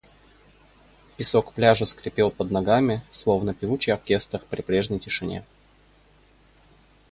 Песок пляжа скрипел под ногами, словно певучий оркестр в прибрежной тишине.